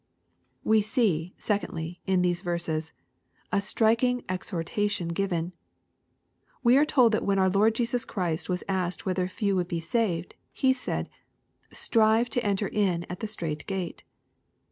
We see, secondly, in these verses, a striking exhortation given. We are told that when our Lord Jesus Christ was asked whether few would be saved, He said, "Strive to enter in at the strait gate.''